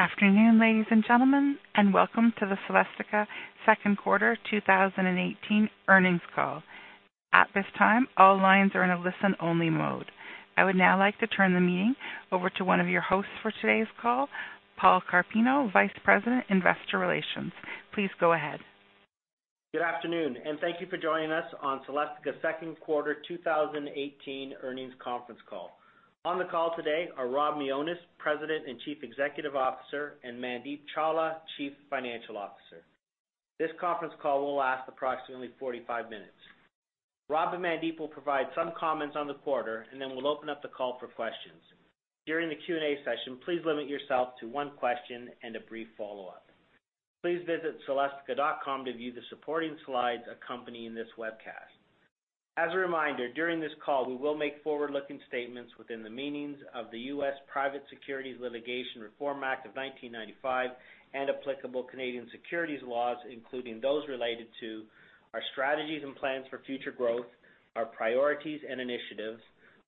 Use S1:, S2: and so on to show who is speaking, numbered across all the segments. S1: Good afternoon, ladies and gentlemen, and welcome to the Celestica second quarter 2018 earnings call. At this time, all lines are in a listen-only mode. I would now like to turn the meeting over to one of your hosts for today's call, Paul Carpino, Vice President, Investor Relations. Please go ahead.
S2: Good afternoon and thank you for joining us on Celestica's second quarter 2018 earnings conference call. On the call today are Rob Mionis, President and Chief Executive Officer, and Mandeep Chawla, Chief Financial Officer. This conference call will last approximately 45 minutes. Rob and Mandeep will provide some comments on the quarter, then we'll open up the call for questions. During the Q&A session, please limit yourself to one question and a brief follow-up. Please visit celestica.com to view the supporting slides accompanying this webcast. As a reminder, during this call, we will make forward-looking statements within the meanings of the U.S. Private Securities Litigation Reform Act of 1995 and applicable Canadian securities laws, including those related to our strategies and plans for future growth, our priorities and initiatives,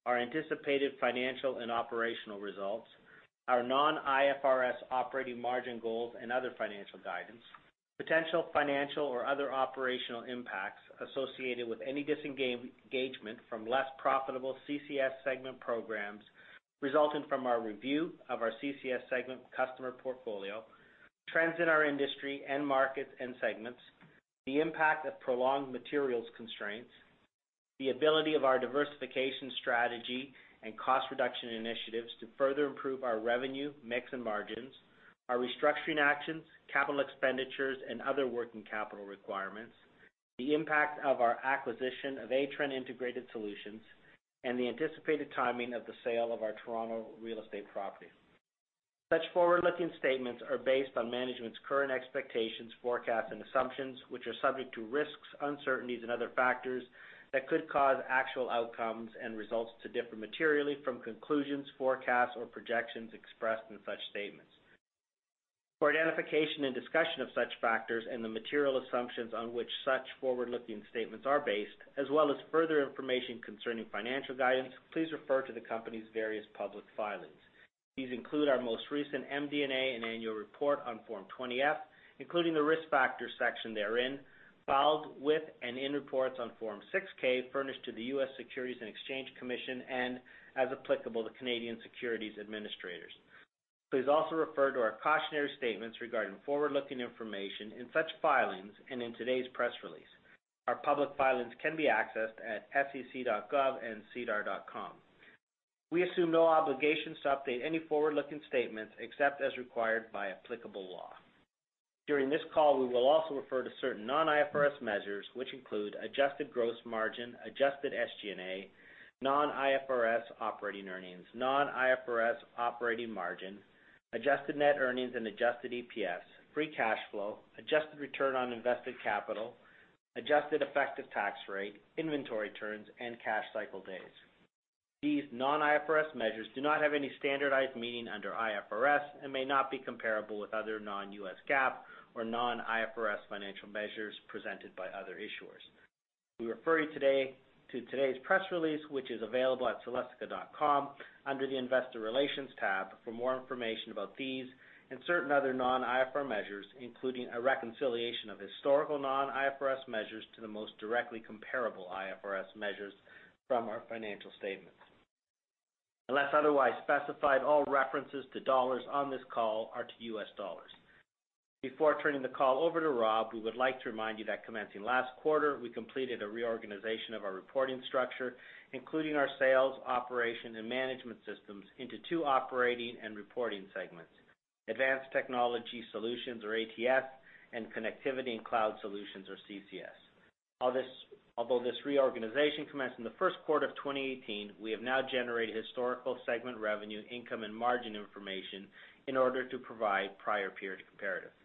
S2: our anticipated financial and operational results, our non-IFRS operating margin goals and other financial guidance, potential financial or other operational impacts associated with any disengagement from less profitable CCS segment programs resulting from our review of our CCS segment customer portfolio, trends in our industry and markets and segments, the impact of prolonged materials constraints, the ability of our diversification strategy and cost reduction initiatives to further improve our revenue, mix, and margins, our restructuring actions, capital expenditures, and other working capital requirements, the impact of our acquisition of Atrenne Integrated Solutions, and the anticipated timing of the sale of our Toronto real estate property. Such forward-looking statements are based on management's current expectations, forecasts, and assumptions, which are subject to risks, uncertainties, and other factors that could cause actual outcomes and results to differ materially from conclusions, forecasts, or projections expressed in such statements. For identification and discussion of such factors and the material assumptions on which such forward-looking statements are based, as well as further information concerning financial guidance, please refer to the company's various public filings. These include our most recent MD&A and annual report on Form 20-F, including the Risk Factors section therein, filed with and in reports on Form 6-K furnished to the U.S. Securities and Exchange Commission and, as applicable, the Canadian Securities Administrators. Please also refer to our cautionary statements regarding forward-looking information in such filings and in today's press release. Our public filings can be accessed at sec.gov and sedar.com. We assume no obligation to update any forward-looking statements except as required by applicable law. During this call, we will also refer to certain non-IFRS measures, which include adjusted gross margin, adjusted SG&A, non-IFRS operating earnings, non-IFRS operating margin, adjusted net earnings and adjusted EPS, free cash flow, adjusted return on invested capital, adjusted effective tax rate, inventory turns, and cash cycle days. These non-IFRS measures do not have any standardized meaning under IFRS and may not be comparable with other non-U.S. GAAP or non-IFRS financial measures presented by other issuers. We refer you to today's press release, which is available at celestica.com under the Investor Relations tab for more information about these and certain other non-IFRS measures, including a reconciliation of historical non-IFRS measures to the most directly comparable IFRS measures from our financial statements. Unless otherwise specified, all references to dollars on this call are to U.S. dollars. Before turning the call over to Rob, we would like to remind you that commencing last quarter, we completed a reorganization of our reporting structure, including our sales, operations, and management systems into two operating and reporting segments: Advanced Technology Solutions or ATS and Connectivity and Cloud Solutions or CCS. Although this reorganization commenced in the first quarter of 2018, we have now generated historical segment revenue, income, and margin information in order to provide prior period comparatives.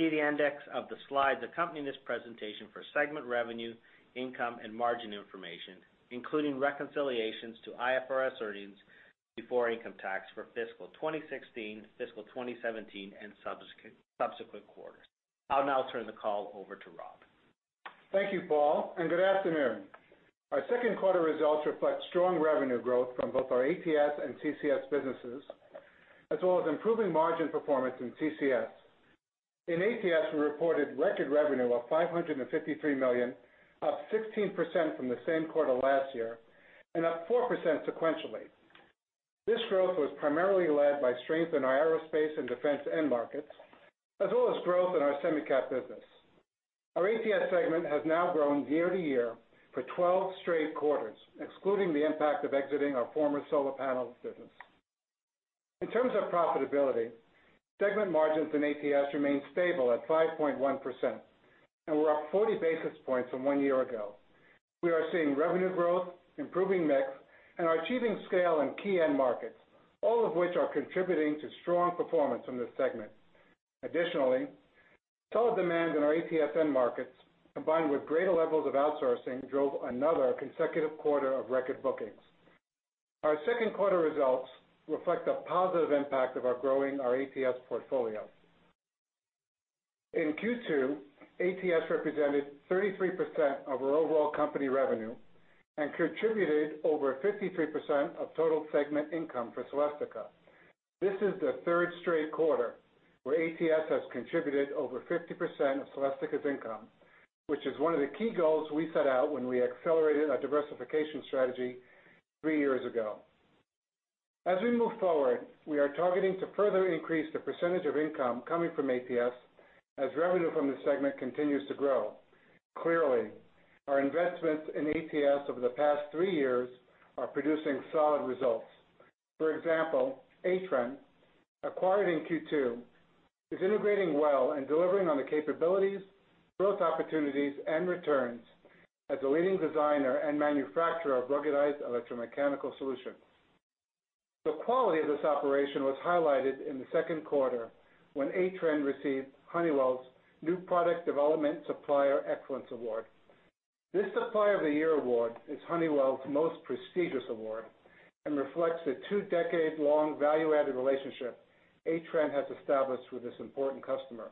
S2: See the index of the slides accompanying this presentation for segment revenue, income, and margin information, including reconciliations to IFRS earnings before income tax for fiscal 2016, fiscal 2017, and subsequent quarters. I will now turn the call over to Rob.
S3: Thank you, Paul, and good afternoon. Our second quarter results reflect strong revenue growth from both our ATS and CCS businesses, as well as improving margin performance in CCS. In ATS, we reported record revenue of $553 million, up 16% from the same quarter last year and up 4% sequentially. This growth was primarily led by strength in our aerospace and defense end markets, as well as growth in our Semicap business. Our ATS segment has now grown year-to-year for 12 straight quarters, excluding the impact of exiting our former solar panels business. In terms of profitability, segment margins in ATS remain stable at 5.1%, and we are up 40 basis points from one year ago. We are seeing revenue growth, improving mix, and are achieving scale in key end markets, all of which are contributing to strong performance from this segment. Additionally, solid demand in our ATS end markets, combined with greater levels of outsourcing, drove another consecutive quarter of record bookings. Our second quarter results reflect the positive impact of our growing our ATS portfolio. In Q2, ATS represented 33% of our overall company revenue and contributed over 53% of total segment income for Celestica. This is the third straight quarter where ATS has contributed over 50% of Celestica's income, which is one of the key goals we set out when we accelerated our diversification strategy three years ago. As we move forward, we are targeting to further increase the percentage of income coming from ATS as revenue from this segment continues to grow. Clearly, our investments in ATS over the past three years are producing solid results. For example, Atrenne, acquired in Q2, is integrating well and delivering on the capabilities, growth opportunities, and returns as a leading designer and manufacturer of ruggedized electromechanical solutions. The quality of this operation was highlighted in the second quarter when Atrenne received Honeywell's New Product Development Supplier Excellence Award. This Supplier of the Year award is Honeywell's most prestigious award and reflects a two-decade-long value-added relationship Atrenne has established with this important customer.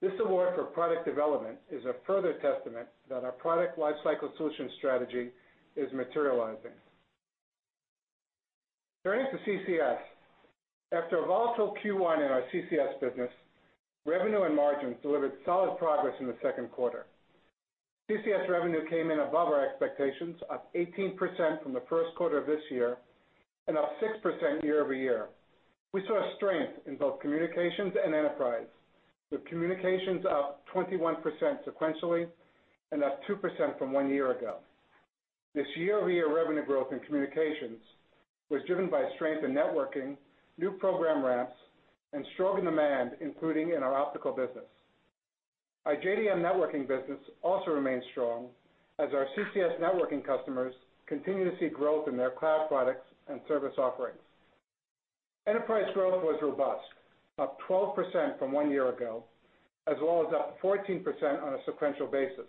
S3: This award for product development is a further testament that our product lifecycle solution strategy is materializing. Turning to CCS. After a volatile Q1 in our CCS business, revenue and margins delivered solid progress in the second quarter. CCS revenue came in above our expectations, up 18% from the first quarter of this year and up 6% year-over-year. We saw strength in both communications and enterprise, with communications up 21% sequentially and up 2% from one year ago. This year-over-year revenue growth in communications was driven by strength in networking, new program ramps, and stronger demand, including in our optical business. Our JDM networking business also remains strong as our CCS networking customers continue to see growth in their cloud products and service offerings. Enterprise growth was robust, up 12% from one year ago, as well as up 14% on a sequential basis.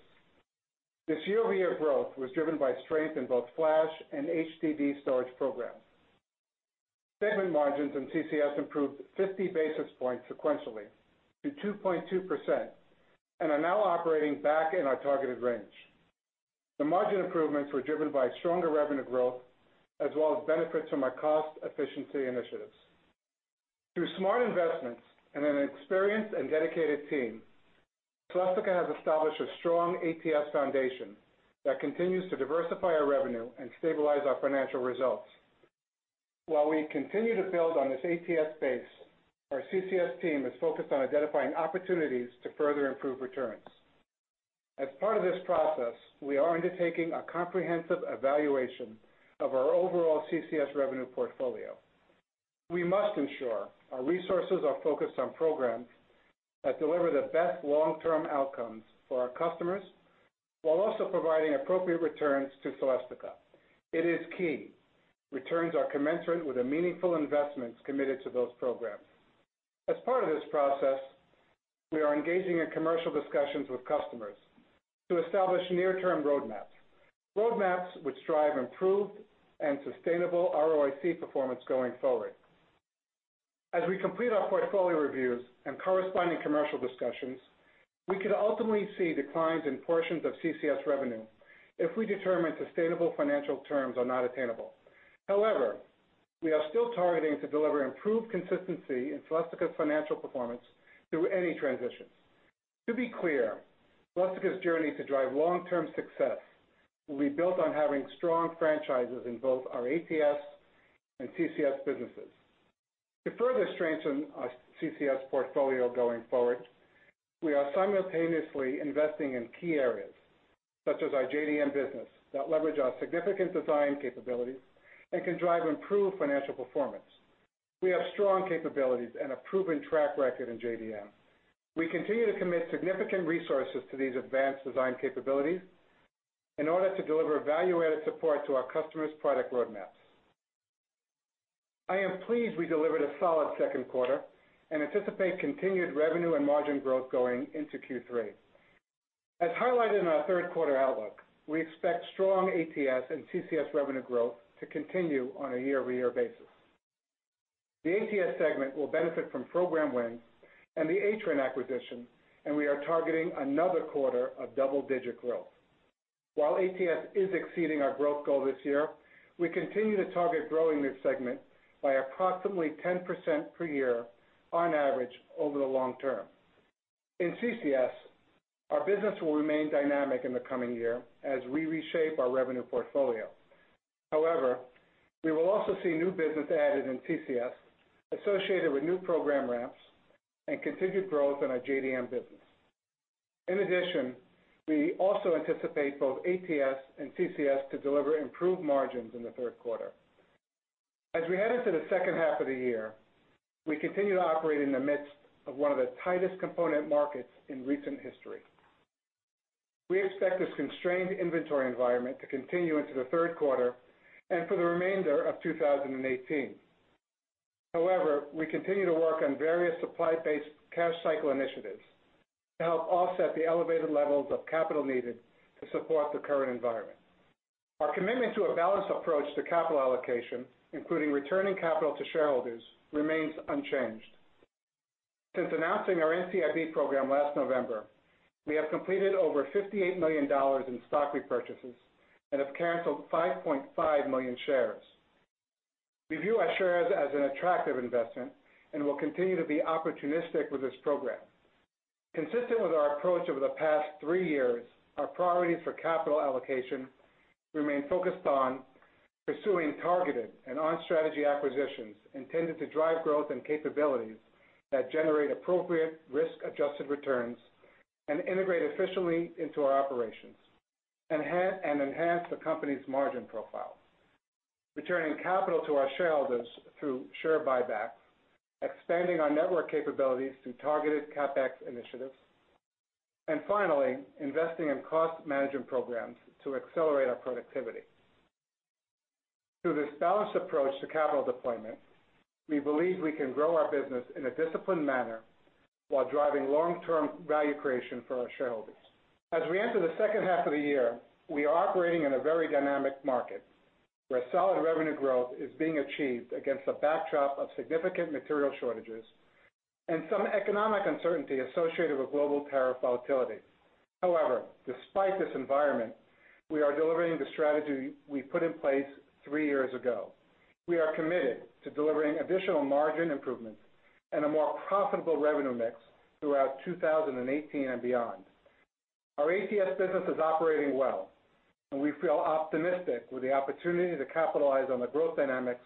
S3: This year-over-year growth was driven by strength in both flash and HDD storage programs. Segment margins in CCS improved 50 basis points sequentially to 2.2% and are now operating back in our targeted range. The margin improvements were driven by stronger revenue growth as well as benefits from our cost efficiency initiatives. Through smart investments and an experienced and dedicated team, Celestica has established a strong ATS foundation that continues to diversify our revenue and stabilize our financial results. While we continue to build on this ATS base, our CCS team is focused on identifying opportunities to further improve returns. As part of this process, we are undertaking a comprehensive evaluation of our overall CCS revenue portfolio. We must ensure our resources are focused on programs that deliver the best long-term outcomes for our customers while also providing appropriate returns to Celestica. It is key returns are commensurate with the meaningful investments committed to those programs. As part of this process, we are engaging in commercial discussions with customers to establish near-term roadmaps which drive improved and sustainable ROIC performance going forward. As we complete our portfolio reviews and corresponding commercial discussions, we could ultimately see declines in portions of CCS revenue if we determine sustainable financial terms are not attainable. However, we are still targeting to deliver improved consistency in Celestica's financial performance through any transitions. To be clear, Celestica's journey to drive long-term success will be built on having strong franchises in both our ATS and CCS businesses. To further strengthen our CCS portfolio going forward, we are simultaneously investing in key areas, such as our JDM business, that leverage our significant design capabilities and can drive improved financial performance. We have strong capabilities and a proven track record in JDM. We continue to commit significant resources to these advanced design capabilities in order to deliver value-added support to our customers' product roadmaps. I am pleased we delivered a solid second quarter and anticipate continued revenue and margin growth going into Q3. As highlighted in our third quarter outlook, we expect strong ATS and CCS revenue growth to continue on a year-over-year basis. The ATS segment will benefit from program wins and the Atren acquisition, and we are targeting another quarter of double-digit growth. While ATS is exceeding our growth goal this year, we continue to target growing this segment by approximately 10% per year on average over the long term. In CCS, our business will remain dynamic in the coming year as we reshape our revenue portfolio. We will also see new business added in CCS associated with new program ramps and continued growth in our JDM business. In addition, we also anticipate both ATS and CCS to deliver improved margins in the third quarter. As we head into the second half of the year, we continue to operate in the midst of one of the tightest component markets in recent history. We expect this constrained inventory environment to continue into the third quarter and for the remainder of 2018. We continue to work on various supply-based cash cycle initiatives to help offset the elevated levels of capital needed to support the current environment. Our commitment to a balanced approach to capital allocation, including returning capital to shareholders, remains unchanged. Since announcing our NCIB program last November, we have completed over $58 million in stock repurchases and have canceled 5.5 million shares. We view our shares as an attractive investment and will continue to be opportunistic with this program. Consistent with our approach over the past three years, our priorities for capital allocation remain focused on pursuing targeted and on-strategy acquisitions intended to drive growth and capabilities that generate appropriate risk-adjusted returns and integrate efficiently into our operations, and enhance the company's margin profile, returning capital to our shareholders through share buybacks, expanding our network capabilities through targeted CapEx initiatives, and finally, investing in cost management programs to accelerate our productivity. Through this balanced approach to capital deployment, we believe we can grow our business in a disciplined manner while driving long-term value creation for our shareholders. As we enter the second half of the year, we are operating in a very dynamic market, where solid revenue growth is being achieved against a backdrop of significant material shortages and some economic uncertainty associated with global tariff volatility. Despite this environment, we are delivering the strategy we put in place three years ago. We are committed to delivering additional margin improvements and a more profitable revenue mix throughout 2018 and beyond. Our ATS business is operating well, and we feel optimistic with the opportunity to capitalize on the growth dynamics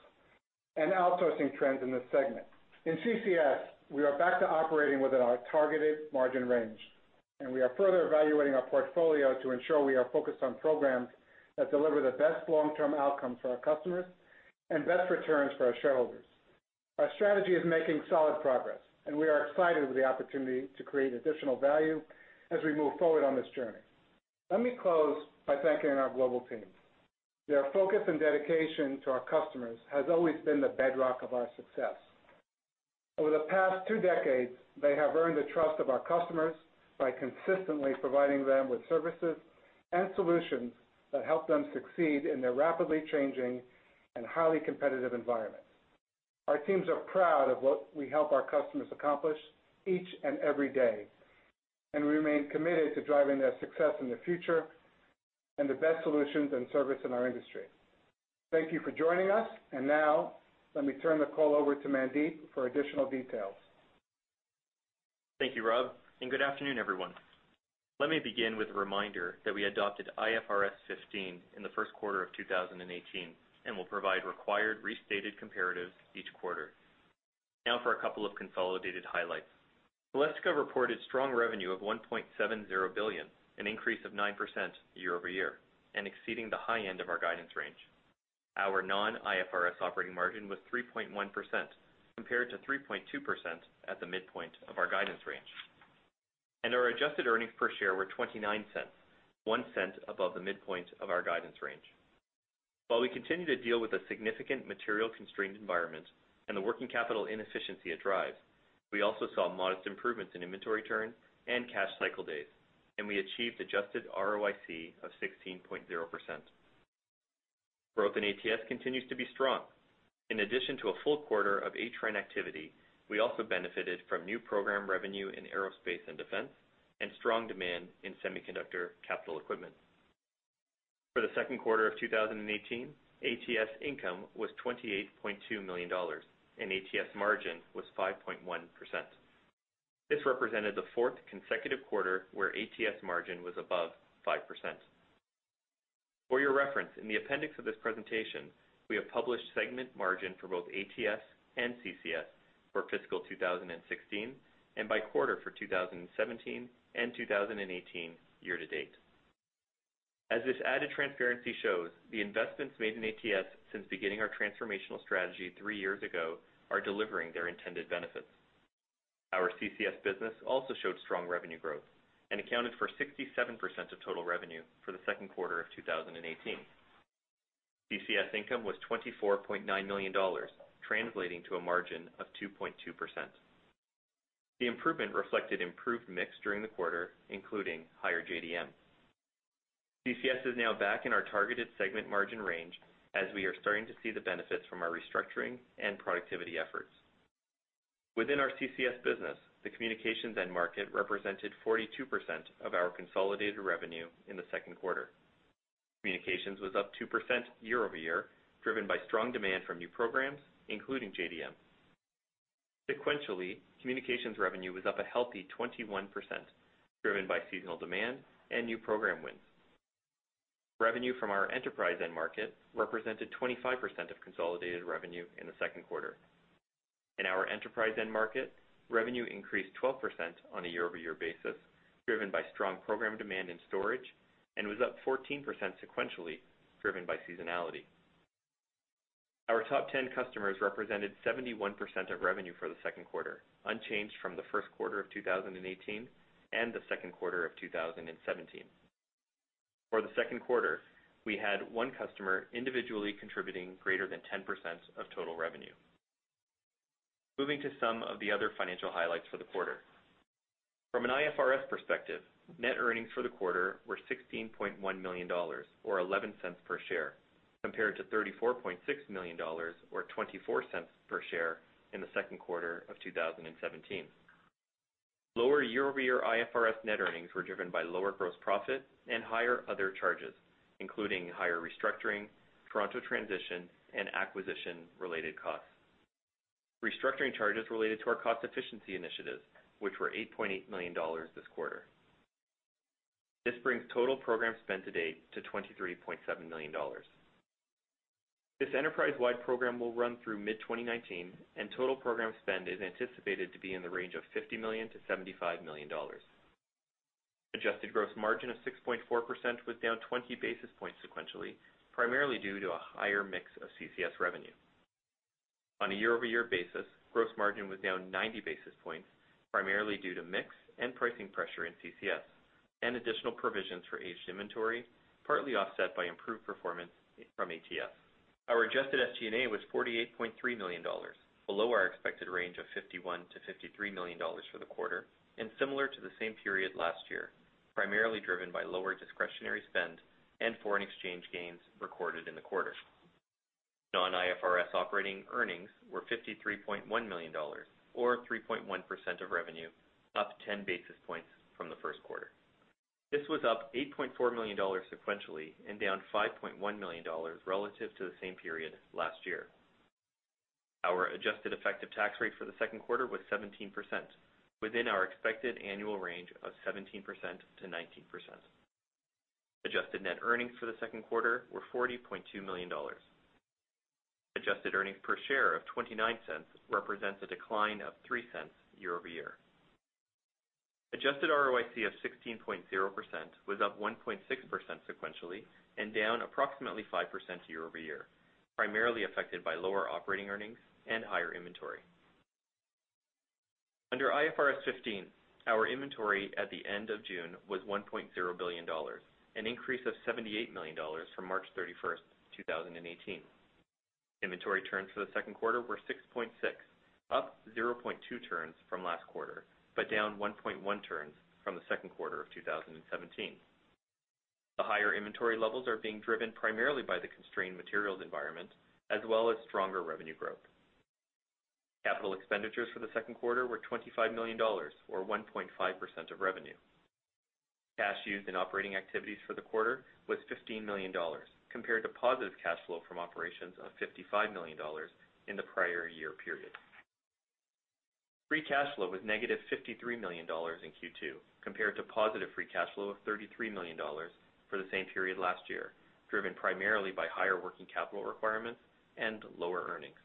S3: and outsourcing trends in this segment. In CCS, we are back to operating within our targeted margin range, and we are further evaluating our portfolio to ensure we are focused on programs that deliver the best long-term outcome for our customers and best returns for our shareholders. Our strategy is making solid progress, and we are excited with the opportunity to create additional value as we move forward on this journey. Let me close by thanking our global teams. Their focus and dedication to our customers has always been the bedrock of our success. Over the past two decades, they have earned the trust of our customers by consistently providing them with services and solutions that help them succeed in their rapidly changing and highly competitive environment. Our teams are proud of what we help our customers accomplish each and every day, and we remain committed to driving their success in the future and the best solutions and service in our industry. Thank you for joining us. Now, let me turn the call over to Mandeep for additional details.
S4: Thank you, Rob. Good afternoon, everyone. Let me begin with a reminder that we adopted IFRS 15 in the first quarter of 2018 and will provide required restated comparatives each quarter. For a couple of consolidated highlights. Celestica reported strong revenue of $1.70 billion, an increase of 9% year-over-year and exceeding the high end of our guidance range. Our non-IFRS operating margin was 3.1%, compared to 3.2% at the midpoint of our guidance range. Our adjusted earnings per share were $0.29, $0.01 above the midpoint of our guidance range. While we continue to deal with a significant material-constrained environment and the working capital inefficiency it drives, we also saw modest improvements in inventory turn and cash cycle days, and we achieved adjusted ROIC of 16.0%. Growth in ATS continues to be strong. In addition to a full quarter of Atrenne activity, we also benefited from new program revenue in Aerospace and Defense and strong demand in Semicap. For the second quarter of 2018, ATS income was $28.2 million, and ATS margin was 5.1%. This represented the fourth consecutive quarter where ATS margin was above 5%. For your reference, in the appendix of this presentation, we have published segment margin for both ATS and CCS for fiscal 2016 and by quarter for 2017 and 2018 year to date. As this added transparency shows, the investments made in ATS since beginning our transformational strategy three years ago are delivering their intended benefits. Our CCS business also showed strong revenue growth and accounted for 67% of total revenue for the second quarter of 2018. CCS income was $24.9 million, translating to a margin of 2.2%. The improvement reflected improved mix during the quarter, including higher JDM. CCS is now back in our targeted segment margin range as we are starting to see the benefits from our restructuring and productivity efforts. Within our CCS business, the communications end market represented 42% of our consolidated revenue in the second quarter. Communications was up 2% year-over-year, driven by strong demand from new programs, including JDM. Sequentially, communications revenue was up a healthy 21%, driven by seasonal demand and new program wins. Revenue from our enterprise end market represented 25% of consolidated revenue in the second quarter. In our enterprise end market, revenue increased 12% on a year-over-year basis, driven by strong program demand in storage, and was up 14% sequentially, driven by seasonality. Our top 10 customers represented 71% of revenue for the second quarter, unchanged from the first quarter of 2018 and the second quarter of 2017. For the second quarter, we had one customer individually contributing greater than 10% of total revenue. Moving to some of the other financial highlights for the quarter. From an IFRS perspective, net earnings for the quarter were $16.1 million, or $0.11 per share, compared to $34.6 million or $0.24 per share in the second quarter of 2017. Lower year-over-year IFRS net earnings were driven by lower gross profit and higher other charges, including higher restructuring, Toronto transition, and acquisition-related costs. Restructuring charges related to our cost efficiency initiatives, which were $8.8 million this quarter. This brings total program spend to date to $23.7 million. This enterprise-wide program will run through mid-2019, and total program spend is anticipated to be in the range of $50 million-$75 million. Adjusted gross margin of 6.4% was down 20 basis points sequentially, primarily due to a higher mix of CCS revenue. On a year-over-year basis, gross margin was down 90 basis points, primarily due to mix and pricing pressure in CCS and additional provisions for aged inventory, partly offset by improved performance from ATS. Our adjusted SG&A was $48.3 million, below our expected range of $51 million-$53 million for the quarter, and similar to the same period last year, primarily driven by lower discretionary spend and foreign exchange gains recorded in the quarter. Non-IFRS operating earnings were $53.1 million, or 3.1% of revenue, up 10 basis points from the first quarter. This was up $8.4 million sequentially and down $5.1 million relative to the same period last year. Our adjusted effective tax rate for the second quarter was 17%, within our expected annual range of 17%-19%. Adjusted net earnings for the second quarter were $40.2 million. Adjusted earnings per share of $0.29 represents a decline of $0.03 year-over-year. Adjusted ROIC of 16.0% was up 1.6% sequentially and down approximately 5% year-over-year, primarily affected by lower operating earnings and higher inventory. Under IFRS 15, our inventory at the end of June was $1.0 billion, an increase of $78 million from March 31st, 2018. Inventory turns for the second quarter were 6.6, up 0.2 turns from last quarter, but down 1.1 turns from the second quarter of 2017. The higher inventory levels are being driven primarily by the constrained materials environment, as well as stronger revenue growth. Capital expenditures for the second quarter were $25 million, or 1.5% of revenue. Cash used in operating activities for the quarter was $15 million, compared to positive cash flow from operations of $55 million in the prior year period. Free cash flow was negative $53 million in Q2, compared to positive free cash flow of $33 million for the same period last year, driven primarily by higher working capital requirements and lower earnings.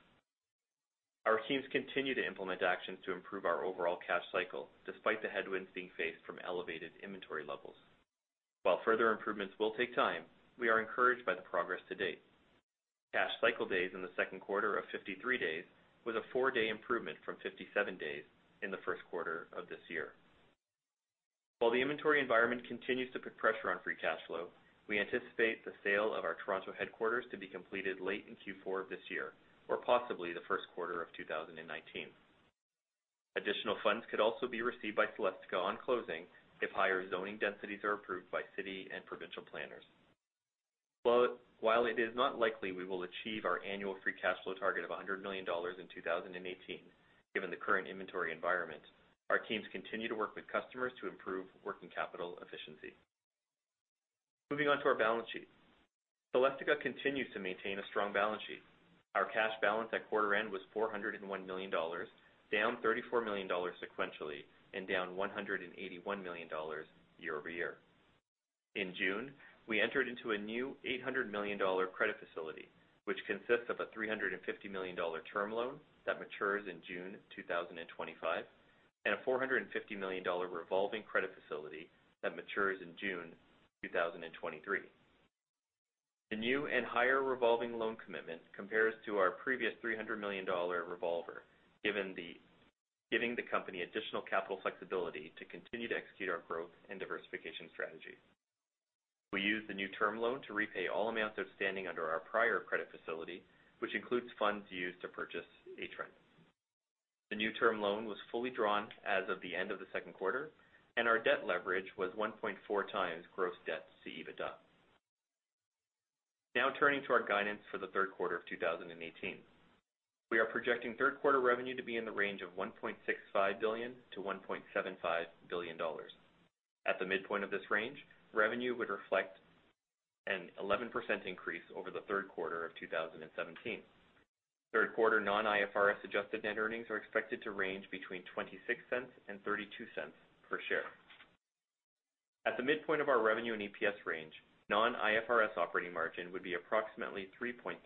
S4: Our teams continue to implement actions to improve our overall cash cycle, despite the headwinds being faced from elevated inventory levels. While further improvements will take time, we are encouraged by the progress to date. Cash cycle days in the second quarter of 53 days was a four-day improvement from 57 days in the first quarter of this year. While the inventory environment continues to put pressure on free cash flow, we anticipate the sale of our Toronto headquarters to be completed late in Q4 of this year, or possibly the first quarter of 2019. Additional funds could also be received by Celestica on closing if higher zoning densities are approved by city and provincial planners. While it is not likely we will achieve our annual free cash flow target of $100 million in 2018, given the current inventory environment, our teams continue to work with customers to improve working capital efficiency. Moving on to our balance sheet. Celestica continues to maintain a strong balance sheet. Our cash balance at quarter end was $401 million, down $34 million sequentially and down $181 million year-over-year. In June, we entered into a new $800 million credit facility, which consists of a $350 million term loan that matures in June 2025, and a $450 million revolving credit facility that matures in June 2023. The new and higher revolving loan commitment compares to our previous $300 million revolver, giving the company additional capital flexibility to continue to execute our growth and diversification strategy. We used the new term loan to repay all amounts outstanding under our prior credit facility, which includes funds used to purchase Atrenne. The new term loan was fully drawn as of the end of the second quarter, and our debt leverage was 1.4 times gross debt to EBITDA. Turning to our guidance for the third quarter of 2018. We are projecting third quarter revenue to be in the range of $1.65 billion to $1.75 billion. At the midpoint of this range, revenue would reflect an 11% increase over the third quarter of 2017. Third quarter non-IFRS adjusted net earnings are expected to range between $0.26 and $0.32 per share. At the midpoint of our revenue and EPS range, non-IFRS operating margin would be approximately 3.3%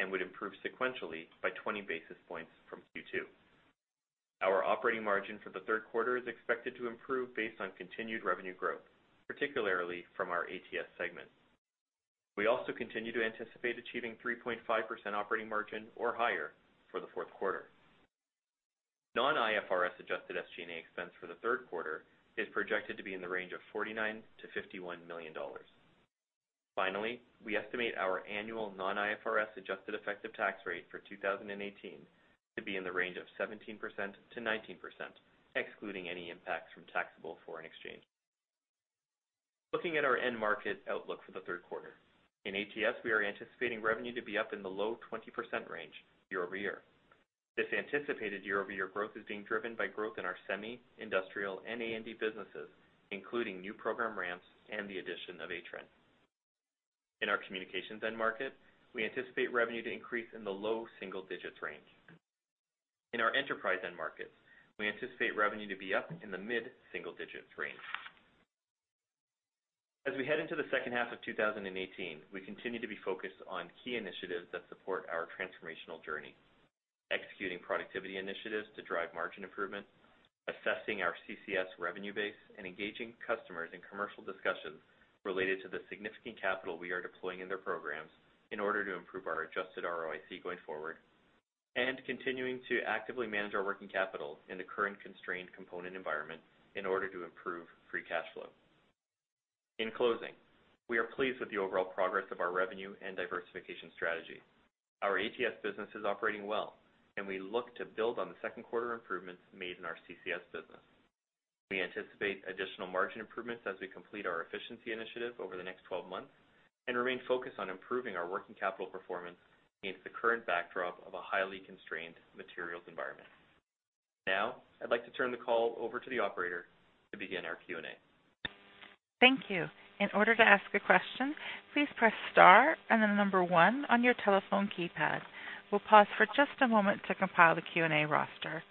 S4: and would improve sequentially by 20 basis points from Q2. Our operating margin for the third quarter is expected to improve based on continued revenue growth, particularly from our ATS segment. We also continue to anticipate achieving 3.5% operating margin or higher for the fourth quarter. Non-IFRS adjusted SG&A expense for the third quarter is projected to be in the range of $49 million to $51 million. We estimate our annual non-IFRS adjusted effective tax rate for 2018 to be in the range of 17%-19%, excluding any impacts from taxable foreign exchange. Looking at our end market outlook for the third quarter. In ATS, we are anticipating revenue to be up in the low 20% range year-over-year. This anticipated year-over-year growth is being driven by growth in our Semicap, industrial, and A&D businesses, including new program ramps and the addition of Atrenne. In our communications end market, we anticipate revenue to increase in the low single digits range. In our enterprise end markets, we anticipate revenue to be up in the mid-single digits range. As we head into the second half of 2018, we continue to be focused on key initiatives that support our transformational journey, executing productivity initiatives to drive margin improvement, assessing our CCS revenue base, and engaging customers in commercial discussions related to the significant capital we are deploying in their programs in order to improve our adjusted ROIC going forward, and continuing to actively manage our working capital in the current constrained component environment in order to improve free cash flow. In closing, we are pleased with the overall progress of our revenue and diversification strategy. Our ATS business is operating well, and we look to build on the second quarter improvements made in our CCS business. We anticipate additional margin improvements as we complete our efficiency initiative over the next 12 months, and remain focused on improving our working capital performance against the current backdrop of a highly constrained materials environment. Now, I'd like to turn the call over to the operator to begin our Q&A.
S1: Thank you. In order to ask a question, please press star and the number one on your telephone keypad. We'll pause for just a moment to compile the Q&A roster.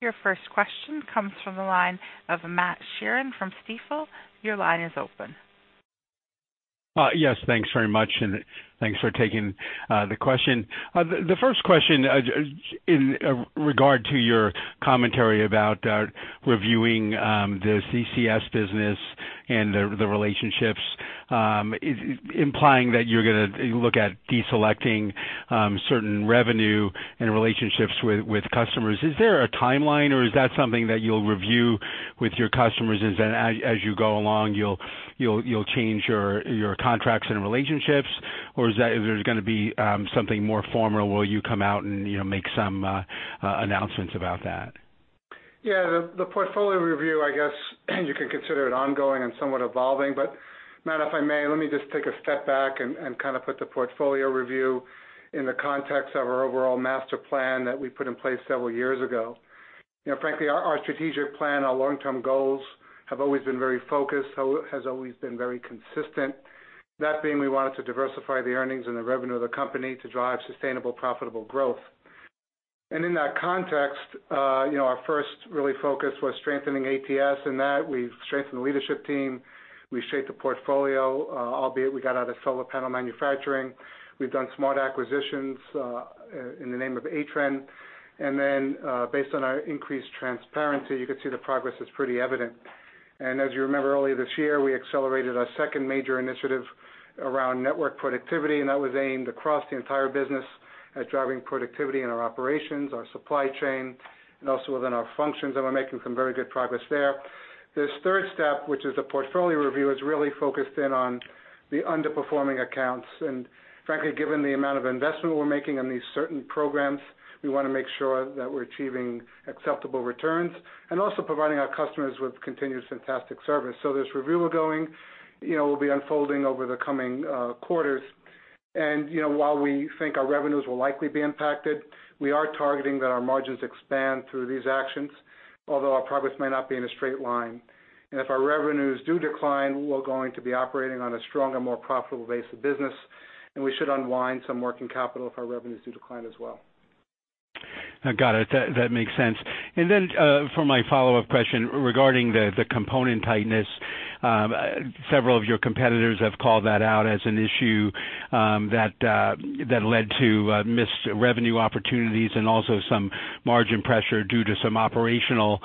S1: Your first question comes from the line of Matthew Sheerin from Stifel. Your line is open.
S5: Yes, thanks very much, and thanks for taking the question. The first question in regard to your commentary about reviewing the CCS business and the relationships, implying that you're going to look at deselecting certain revenue and relationships with customers. Is there a timeline, or is that something that you'll review with your customers, and then as you go along, you'll change your contracts and relationships? Or is there going to be something more formal where you come out and make some announcements about that?
S3: Yeah, the portfolio review, I guess, you can consider it ongoing and somewhat evolving. Matt, if I may, let me just take a step back and put the portfolio review in the context of our overall master plan that we put in place several years ago. Frankly, our strategic plan, our long-term goals have always been very focused, has always been very consistent. That being, we wanted to diversify the earnings and the revenue of the company to drive sustainable, profitable growth. In that context, our first really focus was strengthening ATS. In that, we've strengthened the leadership team, we've shaped the portfolio, albeit we got out of solar panel manufacturing. We've done smart acquisitions in the name of Atrenne. Then based on our increased transparency, you can see the progress is pretty evident. As you remember, earlier this year, we accelerated our second major initiative around network productivity, that was aimed across the entire business at driving productivity in our operations, our supply chain, also within our functions, we're making some very good progress there. This third step, which is a portfolio review, is really focused in on the underperforming accounts. Frankly, given the amount of investment we're making on these certain programs, we want to make sure that we're achieving acceptable returns and also providing our customers with continuous fantastic service. This review will be unfolding over the coming quarters. While we think our revenues will likely be impacted, we are targeting that our margins expand through these actions, although our progress may not be in a straight line. If our revenues do decline, we're going to be operating on a stronger, more profitable base of business, we should unwind some working capital if our revenues do decline as well.
S5: Got it. That makes sense. Then for my follow-up question, regarding the component tightness, several of your competitors have called that out as an issue that led to missed revenue opportunities also some margin pressure due to some operational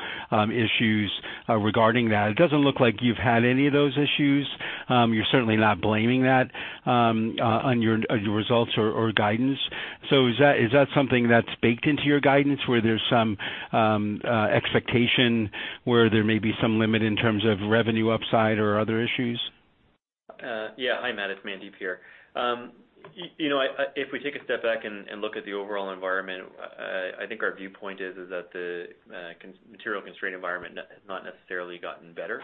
S5: issues regarding that. It doesn't look like you've had any of those issues. You're certainly not blaming that on your results or guidance. Is that something that's baked into your guidance, where there's some expectation where there may be some limit in terms of revenue upside or other issues?
S4: Yeah. Hi, Matt, it's Mandeep here. If we take a step back and look at the overall environment, I think our viewpoint is that the material constraint environment has not necessarily gotten better.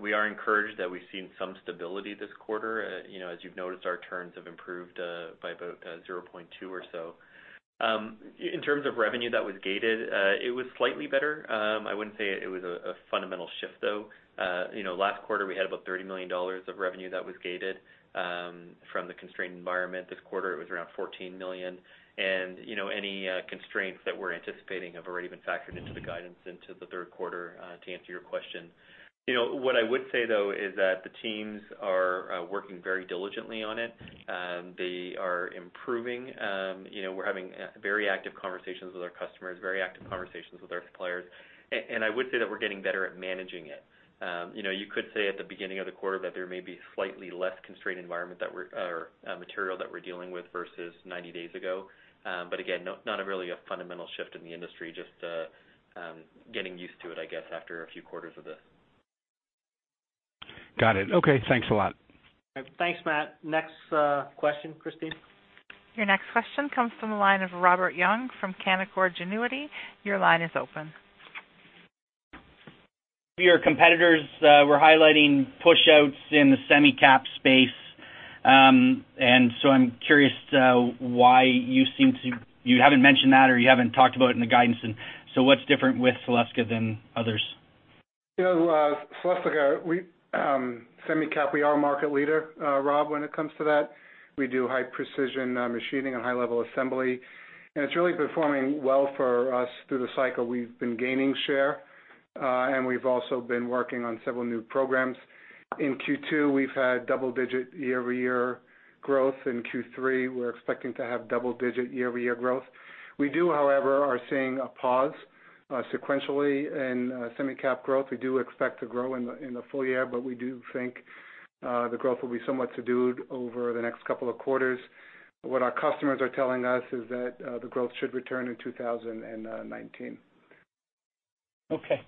S4: We are encouraged that we've seen some stability this quarter. As you've noticed, our turns have improved by about 0.2 or so. In terms of revenue that was gated, it was slightly better. I wouldn't say it was a fundamental shift, though. Last quarter, we had about $30 million of revenue that was gated from the constrained environment. This quarter, it was around $14 million. Any constraints that we're anticipating have already been factored into the guidance into the third quarter, to answer your question. What I would say, though, is that the teams are working very diligently on it. They are improving. We're having very active conversations with our customers, very active conversations with our suppliers. I would say that we're getting better at managing it. You could say at the beginning of the quarter that there may be slightly less constrained environment or material that we're dealing with versus 90 days ago. Again, not really a fundamental shift in the industry, just getting used to it, I guess, after a few quarters of this.
S5: Got it. Okay, thanks a lot.
S2: Thanks, Matt. Next question, Christine.
S1: Your next question comes from the line of Robert Young from Canaccord Genuity. Your line is open.
S6: Your competitors were highlighting push outs in the Semicap space. I'm curious why you haven't mentioned that, or you haven't talked about it in the guidance. What's different with Celestica than others?
S3: Celestica, Semicap, we are a market leader, Rob, when it comes to that. We do high precision machining and high-level assembly. It's really performing well for us through the cycle. We've been gaining share. We've also been working on several new programs. In Q2, we've had double-digit year-over-year growth. In Q3, we're expecting to have double-digit year-over-year growth. We do, however, are seeing a pause sequentially in Semicap growth. We do expect to grow in the full year. We do think the growth will be somewhat subdued over the next couple of quarters. What our customers are telling us is that the growth should return in 2019.
S6: Okay.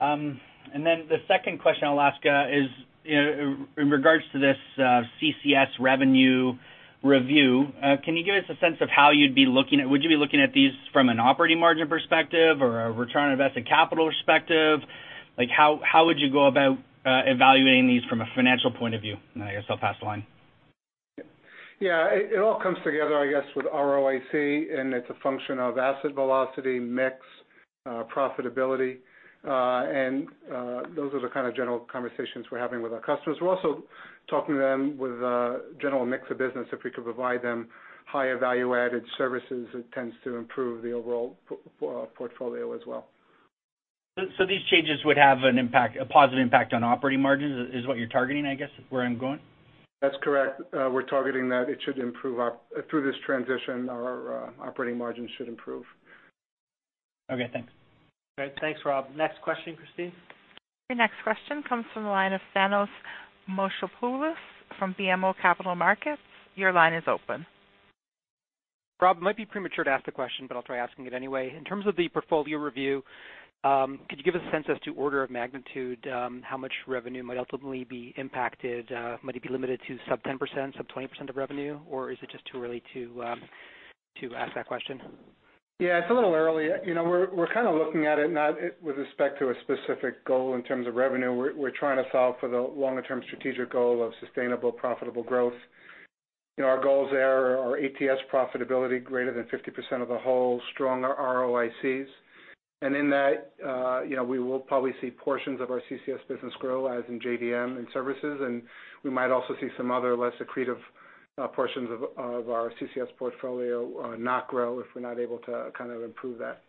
S6: The second question I'll ask is in regards to this CCS revenue review. Would you be looking at these from an operating margin perspective or a return on invested capital perspective? How would you go about evaluating these from a financial point of view? I guess I'll pass the line.
S3: Yeah. It's a function of asset velocity, mix, profitability. Those are the kind of general conversations we're having with our customers. We're also talking to them with a general mix of business if we could provide them higher value-added services, it tends to improve the overall portfolio as well.
S6: These changes would have a positive impact on operating margins is what you're targeting, I guess, is where I'm going?
S3: That's correct. We're targeting that. Through this transition, our operating margins should improve.
S6: Okay, thanks.
S2: Great. Thanks, Rob. Next question, Christine.
S1: Your next question comes from the line of Thanos Moschopoulos from BMO Capital Markets. Your line is open.
S7: Rob, it might be premature to ask the question, I'll try asking it anyway. In terms of the portfolio review, could you give us a sense as to order of magnitude, how much revenue might ultimately be impacted? Might it be limited to sub 10%, sub 20% of revenue, or is it just too early to ask that question?
S3: Yeah, it's a little early. We're kind of looking at it, not with respect to a specific goal in terms of revenue. We're trying to solve for the longer-term strategic goal of sustainable, profitable growth. Our goals there are ATS profitability greater than 50% of the whole, stronger ROICs. In that we will probably see portions of our CCS business grow, as in JDM and services, and we might also see some other less accretive portions of our CCS portfolio not grow if we're not able to kind of improve that.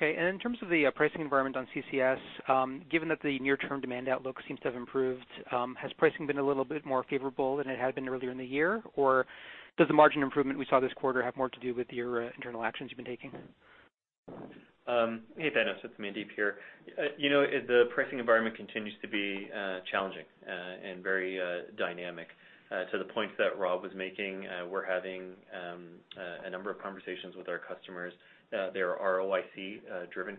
S7: In terms of the pricing environment on CCS, given that the near-term demand outlook seems to have improved, has pricing been a little bit more favorable than it had been earlier in the year, or does the margin improvement we saw this quarter have more to do with your internal actions you've been taking?
S4: Hey, Thanos. It's Mandeep here. The pricing environment continues to be challenging and very dynamic. To the point that Rob was making, we're having a number of conversations with our customers. They are ROIC-driven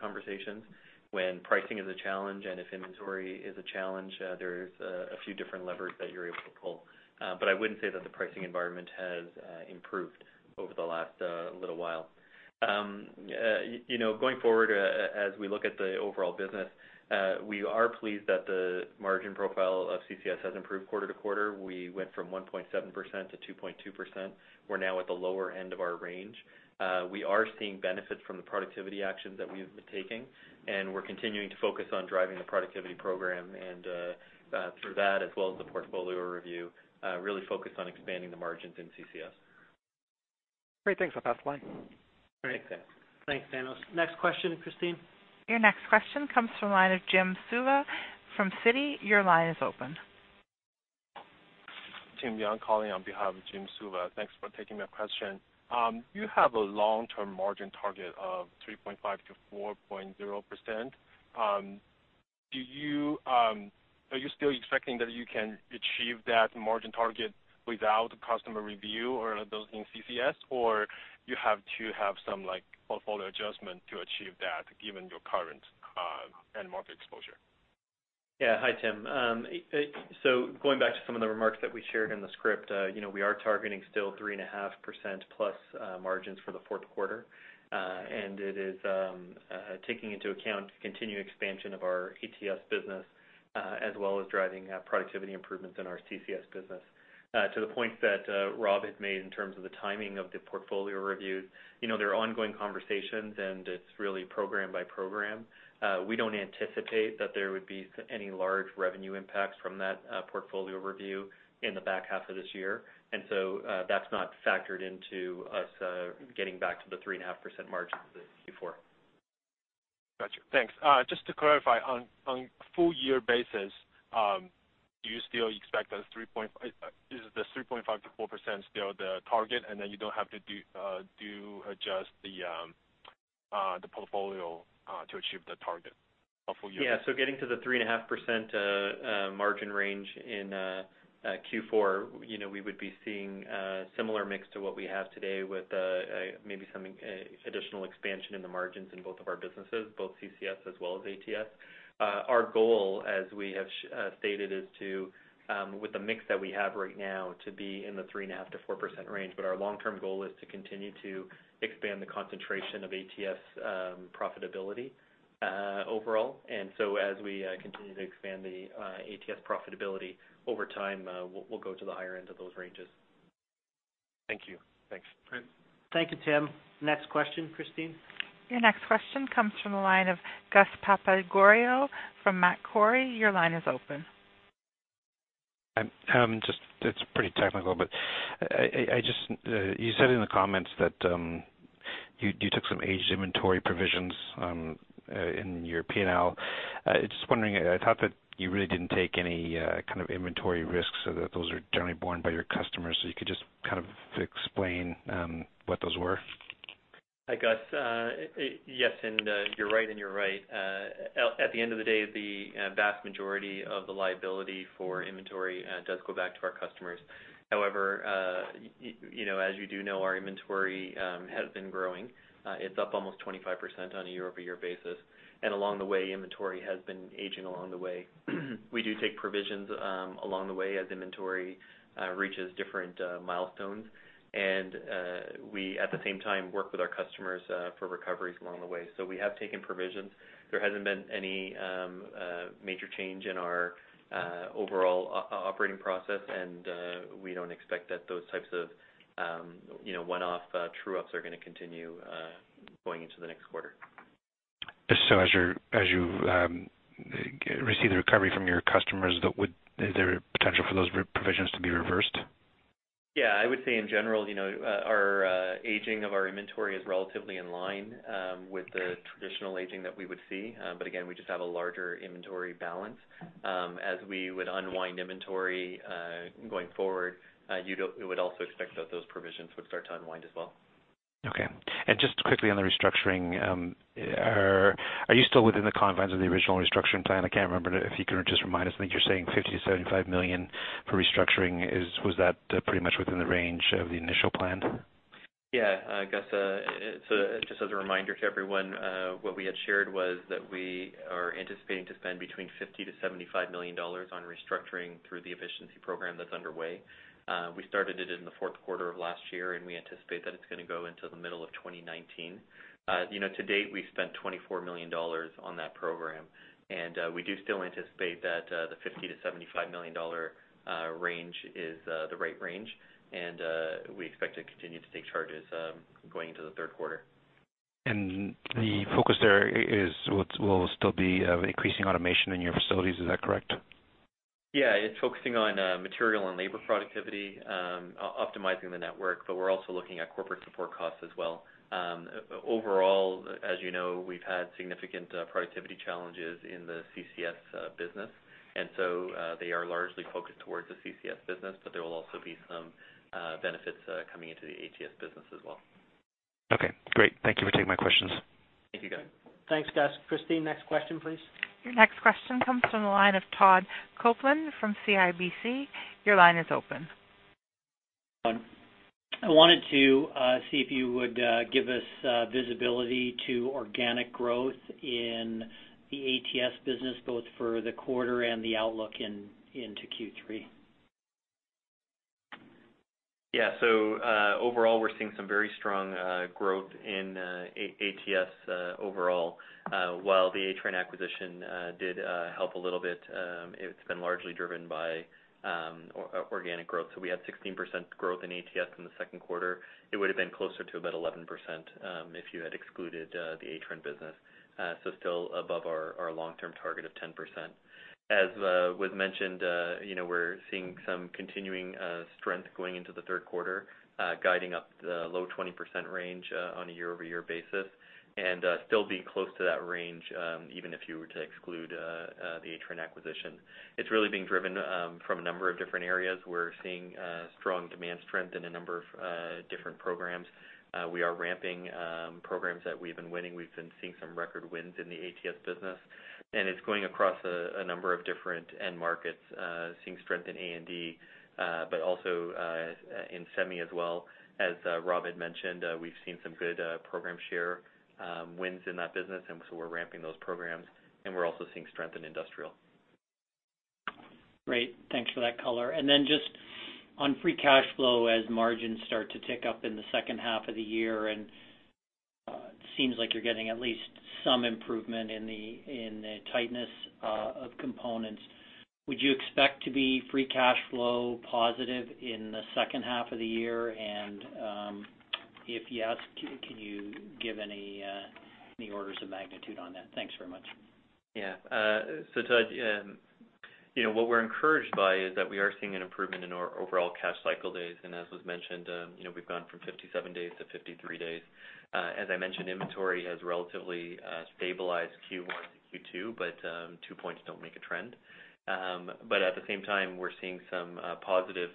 S4: conversations when pricing is a challenge, and if inventory is a challenge, there's a few different levers that you're able to pull. I wouldn't say that the pricing environment has improved over the last little while. Going forward, as we look at the overall business, we are pleased that the margin profile of CCS has improved quarter-to-quarter. We went from 1.7%-2.2%. We're now at the lower end of our range. We are seeing benefits from the productivity actions that we've been taking, and we're continuing to focus on driving the productivity program, and through that, as well as the portfolio review, really focus on expanding the margins in CCS.
S7: Great. Thanks. I'll pass the line.
S2: Great. Thanks, Thanos. Next question, Christine.
S1: Your next question comes from the line of Jim Suva from Citi. Your line is open.
S8: Tim Yang calling on behalf of Jim Suva. Thanks for taking my question. You have a long-term margin target of 3.5%-4.0%. Are you still expecting that you can achieve that margin target without customer review or those in CCS, or you have to have some portfolio adjustment to achieve that given your current end market exposure?
S4: Hi, Tim. Going back to some of the remarks that we shared in the script, we are targeting still 3.5%+ margins for the fourth quarter. It is taking into account continued expansion of our ATS business, as well as driving productivity improvements in our CCS business. To the point that Rob had made in terms of the timing of the portfolio review, there are ongoing conversations, and it's really program by program. We don't anticipate that there would be any large revenue impacts from that portfolio review in the back half of this year. That's not factored into us getting back to the 3.5% margin that was before.
S8: Got you. Thanks. Just to clarify, on a full year basis, is the 3.5%-4% still the target and you don't have to adjust the portfolio to achieve the target for you?
S4: Yeah. Getting to the 3.5% margin range in Q4, we would be seeing similar mix to what we have today with maybe some additional expansion in the margins in both of our businesses, both CCS as well as ATS. Our goal, as we have stated, is to, with the mix that we have right now, to be in the 3.5%-4% range. Our long-term goal is to continue to expand the concentration of ATS profitability overall. As we continue to expand the ATS profitability over time, we'll go to the higher end of those ranges.
S8: Thank you. Thanks.
S4: Great.
S2: Thank you, Tim. Next question, Christine.
S1: Your next question comes from the line of Gus Papageorgiou from Macquarie. Your line is open.
S9: It's pretty technical. You said in the comments that you took some aged inventory provisions in your P&L. Just wondering, I thought that you really didn't take any kind of inventory risks, that those are generally borne by your customers. If you could just explain what those were.
S4: Hi, Gus. Yes, you're right. At the end of the day, the vast majority of the liability for inventory does go back to our customers. However, as you do know, our inventory has been growing. It's up almost 25% on a year-over-year basis. Along the way, inventory has been aging along the way. We do take provisions along the way as inventory reaches different milestones. We, at the same time, work with our customers for recoveries along the way. We have taken provisions. There hasn't been any major change in our overall operating process, we don't expect that those types of one-off true ups are going to continue going into the next quarter.
S9: As you receive the recovery from your customers, is there potential for those provisions to be reversed?
S4: Yeah, I would say in general, our aging of our inventory is relatively in line with the traditional aging that we would see. Again, we just have a larger inventory balance. As we would unwind inventory going forward, you would also expect that those provisions would start to unwind as well.
S9: Just quickly on the restructuring, are you still within the confines of the original restructuring plan? I can't remember. If you could just remind us, I think you're saying $50 million to $75 million for restructuring. Was that pretty much within the range of the initial plan?
S4: Yeah. Gus, just as a reminder to everyone, what we had shared was that we are anticipating to spend between $50 million to $75 million on restructuring through the efficiency program that's underway. We started it in the fourth quarter of last year. We anticipate that it's going to go into the middle of 2019. To date, we've spent $24 million on that program. We do still anticipate that the $50 million to $75 million range is the right range, and we expect to continue to take charges going into the third quarter.
S9: The focus there will still be increasing automation in your facilities, is that correct?
S4: Yeah. It's focusing on material and labor productivity, optimizing the network. We're also looking at corporate support costs as well. Overall, as you know, we've had significant productivity challenges in the CCS business. They are largely focused towards the CCS business, but there will also be some benefits coming into the ATS business as well.
S9: Okay, great. Thank you for taking my questions.
S4: Thank you, Gus.
S2: Thanks, Gus. Christine, next question, please.
S1: Your next question comes from the line of Todd Coupland from CIBC. Your line is open.
S10: I wanted to see if you would give us visibility to organic growth in the ATS business, both for the quarter and the outlook into Q3.
S4: Overall, we're seeing some very strong growth in ATS overall. While the Atrenne acquisition did help a little bit, it's been largely driven by organic growth. We had 16% growth in ATS in the second quarter. It would've been closer to about 11% if you had excluded the Atrenne business. Still above our long-term target of 10%. As was mentioned, we're seeing some continuing strength going into the third quarter, guiding up the low 20% range on a year-over-year basis, still being close to that range, even if you were to exclude the Atrenne acquisition. It's really being driven from a number of different areas. We're seeing strong demand strength in a number of different programs. We are ramping programs that we've been winning. We've been seeing some record wins in the ATS business, it's going across a number of different end markets, seeing strength in A&D, but also in semi as well. As Rob had mentioned, we've seen some good program share wins in that business, we're ramping those programs, we're also seeing strength in industrial.
S10: Great. Thanks for that color. Then just on free cash flow, as margins start to tick up in the second half of the year, it seems like you're getting at least some improvement in the tightness of components. Would you expect to be free cash flow positive in the second half of the year? If yes, can you give any orders of magnitude on that? Thanks very much.
S4: Yeah. Todd, what we're encouraged by is that we are seeing an improvement in our overall cash cycle days. As was mentioned, we've gone from 57 days to 53 days. As I mentioned, inventory has relatively stabilized Q1 to Q2, but two points don't make a trend. At the same time, we're seeing some positive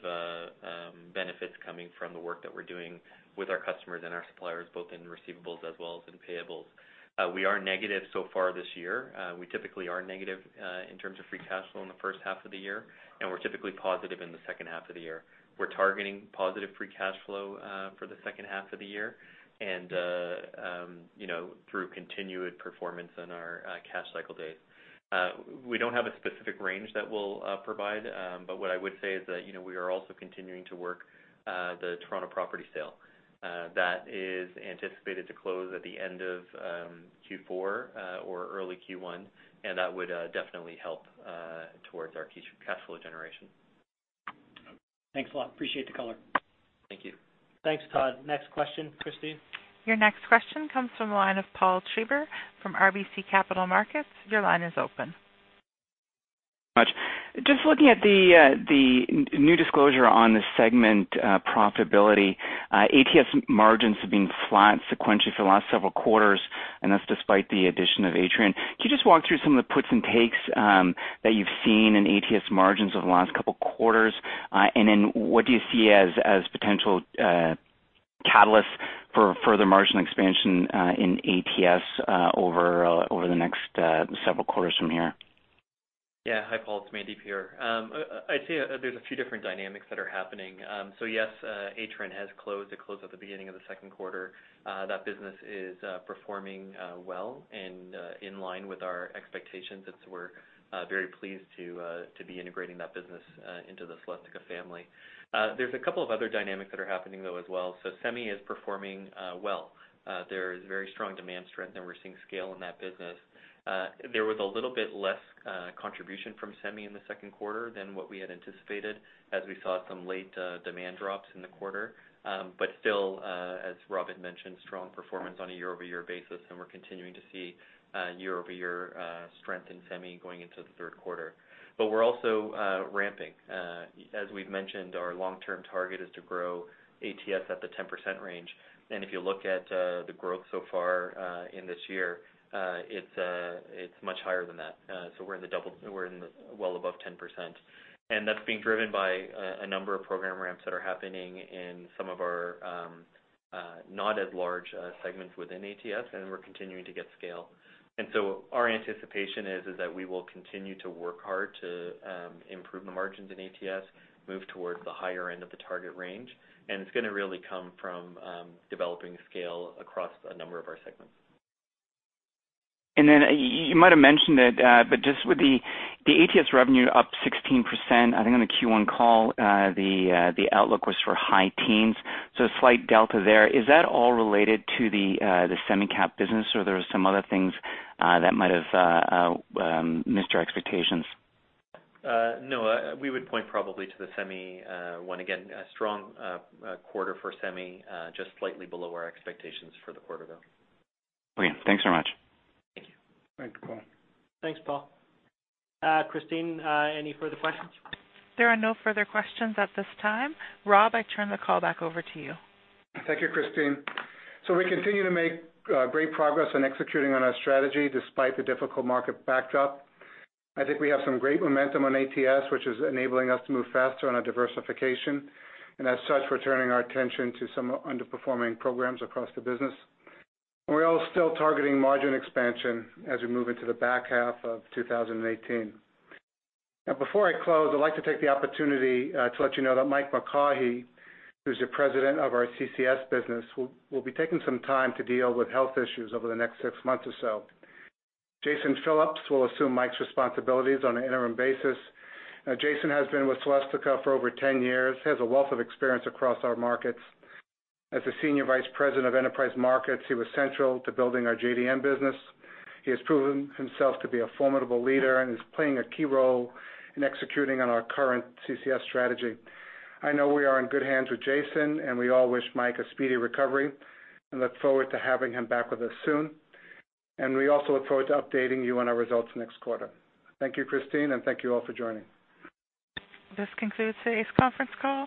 S4: benefits coming from the work that we're doing with our customers and our suppliers, both in receivables as well as in payables. We are negative so far this year. We typically are negative in terms of free cash flow in the first half of the year, and we're typically positive in the second half of the year. We're targeting positive free cash flow for the second half of the year and through continued performance in our cash cycle days. We don't have a specific range that we'll provide, but what I would say is that we are also continuing to work the Toronto property sale. That is anticipated to close at the end of Q4 or early Q1, and that would definitely help towards our cash flow generation.
S10: Thanks a lot. Appreciate the color.
S4: Thank you.
S2: Thanks, Todd. Next question, Christine.
S1: Your next question comes from the line of Paul Treiber from RBC Capital Markets. Your line is open.
S11: Much. Just looking at the new disclosure on the segment profitability. ATS margins have been flat sequentially for the last several quarters, and that is despite the addition of Atrenne. Can you just walk through some of the puts and takes that you have seen in ATS margins over the last couple quarters? What do you see as potential catalysts for further margin expansion in ATS over the next several quarters from here?
S4: Yeah. Hi, Paul. It is Mandeep here. I would say there is a few different dynamics that are happening. Yes, Atrenne has closed. It closed at the beginning of the second quarter. That business is performing well and in line with our expectations, we are very pleased to be integrating that business into the Celestica family. There is a couple of other dynamics that are happening though as well. Semi is performing well. There is very strong demand strength, and we are seeing scale in that business. There was a little bit less contribution from semi in the second quarter than what we had anticipated, as we saw some late demand drops in the quarter. Still, as Rob had mentioned, strong performance on a year-over-year basis, and we are continuing to see year-over-year strength in semi going into the third quarter. We are also ramping. As we've mentioned, our long-term target is to grow ATS at the 10% range. If you look at the growth so far in this year, it's much higher than that. We're in the well above 10%. That's being driven by a number of program ramps that are happening in some of our not as large segments within ATS, and we're continuing to get scale. Our anticipation is that we will continue to work hard to improve the margins in ATS, move towards the higher end of the target range, and it's gonna really come from developing scale across a number of our segments.
S11: You might have mentioned it, but just with the ATS revenue up 16%. I think on the Q1 call, the outlook was for high teens, so a slight delta there. Is that all related to the Semicap business, or there were some other things that might have missed your expectations?
S4: No, we would point probably to the Semicap one again, a strong quarter for Semicap, just slightly below our expectations for the quarter though.
S11: Okay, thanks very much.
S4: Thank you.
S3: Thank, Paul.
S2: Thanks, Paul. Christine, any further questions?
S1: There are no further questions at this time. Rob, I turn the call back over to you.
S3: Thank you, Christine. We continue to make great progress on executing on our strategy despite the difficult market backdrop. I think we have some great momentum on ATS, which is enabling us to move faster on our diversification. As such, we're turning our attention to some underperforming programs across the business. We're all still targeting margin expansion as we move into the back half of 2018. Before I close, I'd like to take the opportunity to let you know that Mike McCaughey, who's the President of our CCS business, will be taking some time to deal with health issues over the next six months or so. Jason Phillips will assume Mike's responsibilities on an interim basis. Jason has been with Celestica for over 10 years, has a wealth of experience across our markets. As the Senior Vice President of Enterprise Markets, he was central to building our JDM business. He has proven himself to be a formidable leader and is playing a key role in executing on our current CCS strategy. I know we are in good hands with Jason, and we all wish Mike a speedy recovery and look forward to having him back with us soon. We also look forward to updating you on our results next quarter. Thank you, Christine, and thank you all for joining.
S1: This concludes today's conference call.